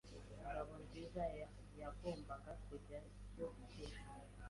Ngabonziza yagombaga kujyayo ejo.